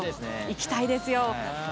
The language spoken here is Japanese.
行きたいですね。